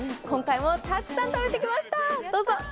今回もたくさん食べてきましたどうぞ！